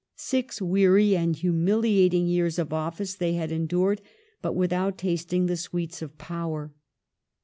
Six weary and humiliating years of office they had en dured, but without tasting the sweets of power.